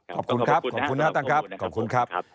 ขอบคุณครับขอบคุณนะครับตังครับ